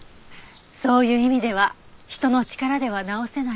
そういう意味では人の力では治せない。